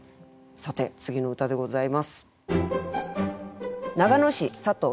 さて次の歌でございます。